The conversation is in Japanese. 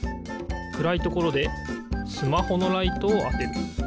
くらいところでスマホのライトをあてる。